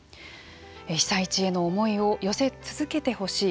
被災地への思いを寄せ続けてほしい。